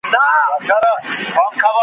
د زامنو به مي څیري کړي نسونه .